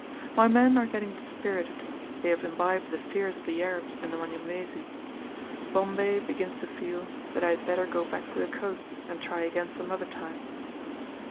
My men are getting dispirited, they have imbibed the fears of the Arabs and the Wanyamwezi. Bombay begins to feel that I had better go back to the coast, and try again some other time.